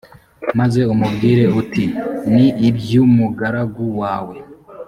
maze umubwire uti ni iby umugaragu wawe